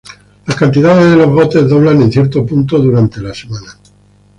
Las cantidades de los botes doblan en ciertos puntos durante la semana.